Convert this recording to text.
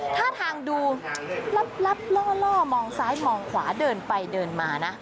ท่าทางดูลับล่อมองซ้ายมองขวาเดินไปเดินมานะ